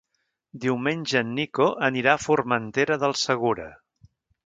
Diumenge en Nico anirà a Formentera del Segura.